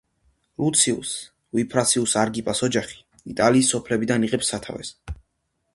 ლუციუს ვიფსანიუს აგრიპას ოჯახი იტალიის სოფლებიდან იღებს სათავეს.